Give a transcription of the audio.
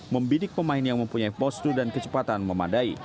membidik pemain yang mempunyai postur dan kecepatan memadai